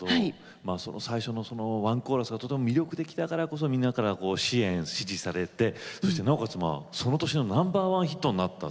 最初のワンコーラスが魅力的だからこそみんなから支援、支持されてそして、なおかつその年のナンバーワンヒットになった。